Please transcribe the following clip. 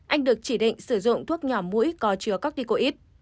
anh được chỉ định sử dụng thuốc nhỏ mũi có chứa cardicoid